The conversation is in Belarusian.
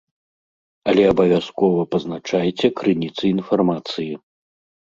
Але абавязкова пазначайце крыніцы інфармацыі.